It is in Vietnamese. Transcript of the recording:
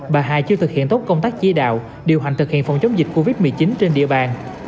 bà hà chưa thực hiện tốt công tác chi đạo điều hành thực hiện phòng chống dịch covid một mươi chín trên địa bàn